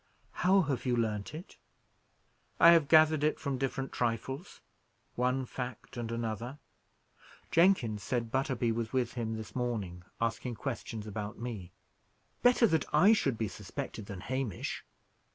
"How have you learnt it?" "I have gathered it from different trifles; one fact and another. Jenkins said Butterby was with him this morning, asking questions about me. Better that I should be suspected than Hamish.